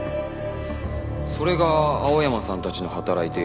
それが青山さんたちの働いている介護施設。